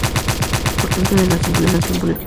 Se trataba, por tanto, de nación política.